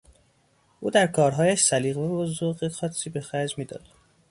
او در کارهایش سیلقه و ذوق خاصی به خرج میداد.